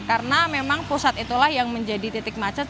karena memang pusat itulah yang menjadi titik macet